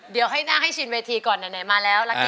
เดี๋ยวให้นั่งให้ชินมา